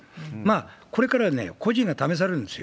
これからはね、個人が試されるんですよ。